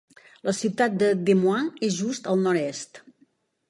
La ciutat de Des Moines és just al nord-est.